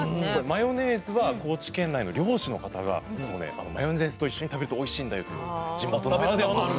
マヨネーズは高知県内の漁師の方が「マヨネーズと一緒に食べるとおいしいんだよ」という地元ならではの食べ方。